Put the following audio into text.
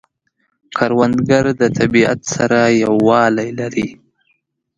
کروندګر د طبیعت سره یووالی لري